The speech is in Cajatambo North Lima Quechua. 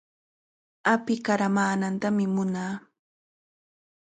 Api qaramaanantami munaa.